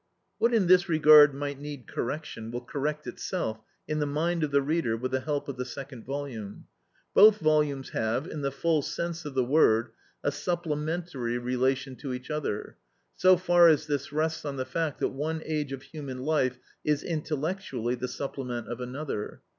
What in this regard might need correction will correct itself in the mind of the reader with the help of the second volume. Both volumes have, in the full sense of the word, a supplementary relation to each other, so far as this rests on the fact that one age of human life is, intellectually, the supplement of another.